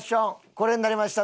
これになりました。